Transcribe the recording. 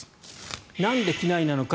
なんで畿内なのか。